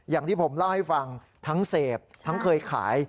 อย่างที่ผมเล่าให้ฟังทั้งเสพทั้งเคยขาย